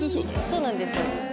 そうなんですよ